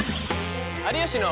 「有吉の」。